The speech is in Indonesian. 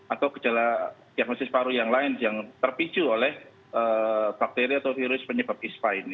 atau gejala diagnosis paru yang lain yang terpicu oleh bakteri atau virus penyebab ispa ini